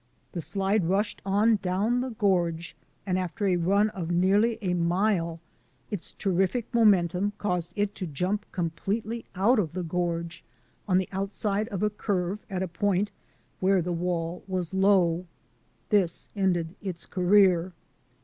The slide rushed on down the gorge and after a run of nearly a mile its terrific momentum caused it to jump completely out of the gorge on the outside of a curve at a point where the wall was low. This ended its career.